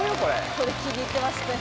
これ気に入ってますね。